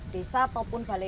desa ataupun balik